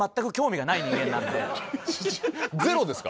ゼロですか？